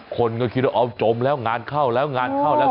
คนก็คิดว่าเอาจมแล้วงานเข้าแล้วงานเข้าแล้ว